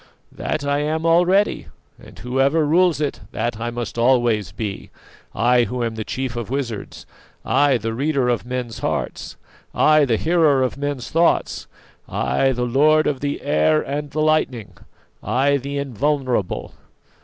"That I am already, and whoever rules it, that I must always be. I, who am the chief of wizards; I, the reader of men's hearts; I, the hearer of men's thoughts! I, the lord of the air and the lightning; I, the invulnerable.